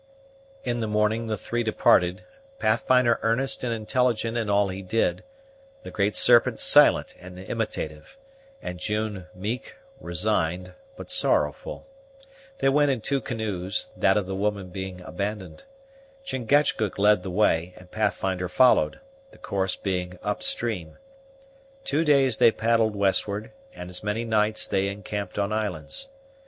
In the morning the three departed, Pathfinder earnest and intelligent in all he did, the Great Serpent silent and imitative, and June meek, resigned, but sorrowful. They went in two canoes, that of the woman being abandoned: Chingachgook led the way, and Pathfinder followed, the course being up stream. Two days they paddled westward, and as many nights they encamped on islands.